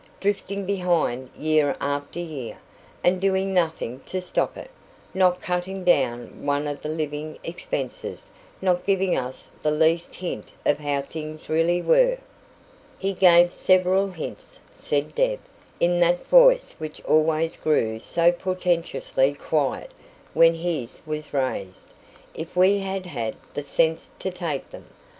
Drifting behind year after year, and doing nothing to stop it not cutting down one of the living expenses not giving us the least hint of how things really were " "He gave several hints," said Deb, in that voice which always grew so portentously quiet when his was raised, "if we had had the sense to take them.